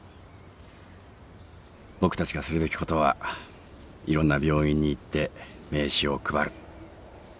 僕たちがするべきことはいろんな病院に行って名刺を配る。